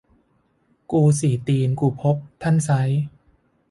กูสี่ตีนกูพบ ท่านไซร้